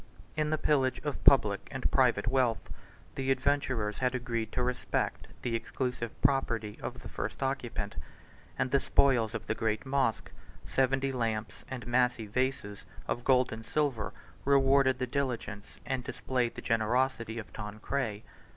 In the pillage of public and private wealth, the adventurers had agreed to respect the exclusive property of the first occupant; and the spoils of the great mosque, seventy lamps and massy vases of gold and silver, rewarded the diligence, and displayed the generosity, of Tancred.